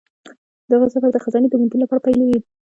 د هغه سفر د خزانې د موندلو لپاره پیلیږي.